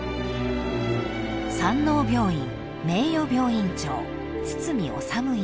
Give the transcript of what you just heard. ［山王病院名誉病院長堤治医師］